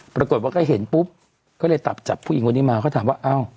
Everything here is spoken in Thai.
ปรากฏว่าก็เห็นปุ๊บก็เลยตับจับผู้หญิงคนนี้มาเขาถามว่าอ้าว